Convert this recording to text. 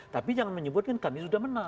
tapi jangan menyebutkan kami sudah menang